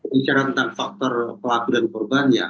bicara tentang faktor pelaku dan korbannya